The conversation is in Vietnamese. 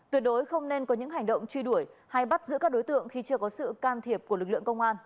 tuyệt đối không nên có những hành động truy đuổi hay bắt giữ các đối tượng khi chưa có sự can thiệp của lực lượng công an